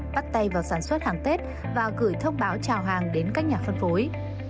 bắt tay vào sản xuất hàng tết và gửi thông báo trào hàng đến các nhà phân phối